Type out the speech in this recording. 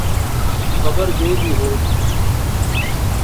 خیر جو بھی ہو